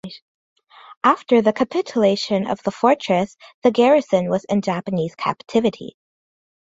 After the capitulation of the fortress the garrison was in Japanese captivity.